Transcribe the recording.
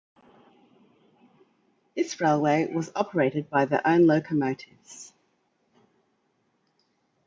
This railway was operated by their own locomotives.